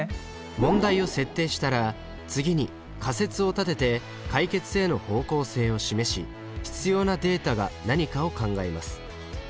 問題を設定したら次に仮説を立てて解決への方向性を示し必要なデータが何かを考えます。